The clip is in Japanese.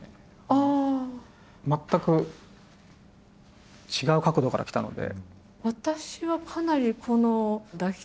全く違う角度から来たので。